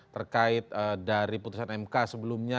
terkait dari putusan mk sebelumnya